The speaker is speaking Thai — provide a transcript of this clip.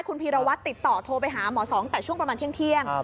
คุณพีรวัตรติดต่อโทรไปหาหมอสองแต่ช่วงประมาณเที่ยง